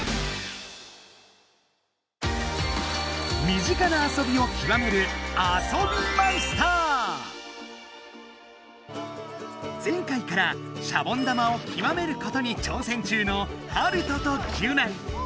身近なあそびを極める前回からシャボン玉を極めることに挑戦中のハルトとギュナイ。